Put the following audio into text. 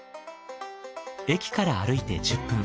駅から歩いて１０分。